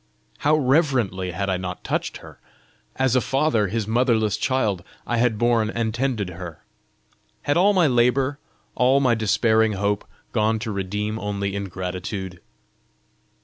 How reverently had I not touched her! As a father his motherless child, I had borne and tended her! Had all my labour, all my despairing hope gone to redeem only ingratitude?